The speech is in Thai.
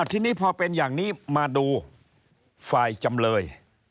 ทีนี้พอเป็นอย่างนี้มาดูฝ่ายจำเลย